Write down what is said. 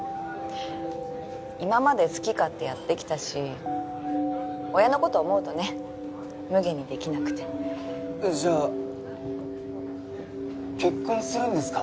今まで好き勝手やってきたし親のこと思うとねむげにできなくてえっじゃあ結婚するんですか？